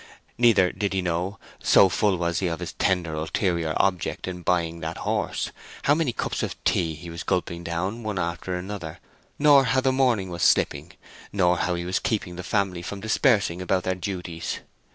Neither did he know, so full was he of his tender ulterior object in buying that horse, how many cups of tea he was gulping down one after another, nor how the morning was slipping, nor how he was keeping the family from dispersing about their duties.